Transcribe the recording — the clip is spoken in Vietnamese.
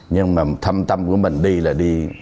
nhưng mà thâm tâm của mình đi là đi